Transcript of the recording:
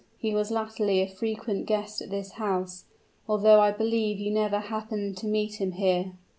"He was latterly a frequent guest at this house: although, I believe, you never happened to meet him here?"